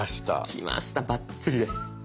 きましたバッチリです。